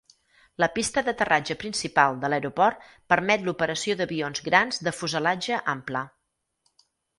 La pista d'aterratge principal de l'aeroport permet l'operació d'avions grans de fuselatge ample.